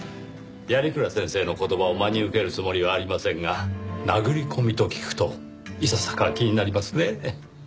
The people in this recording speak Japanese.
鑓鞍先生の言葉を真に受けるつもりはありませんが殴り込みと聞くといささか気になりますねぇ。